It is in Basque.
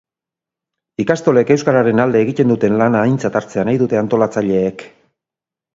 Ikastolek euskararen egiten duten lana aintzat hartzea nahi dute antolatzaileek.